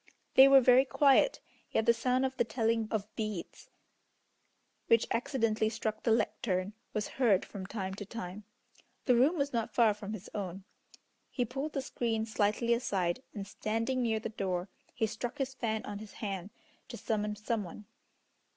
They were very quiet, yet the sound of the telling of beads, which accidentally struck the lectern, was heard from time to time. The room was not far from his own. He pulled the screen slightly aside, and standing near the door, he struck his fan on his hand, to summon some one.